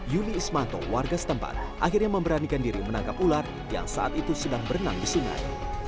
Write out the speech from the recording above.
yuli ismanto warga setempat akhirnya memberanikan diri menangkap ular yang saat itu sedang berenang di sungai